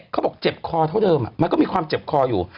เขาบอกเจ็บคอเท่าเดิมมันก็มีความเจ็บคออยู่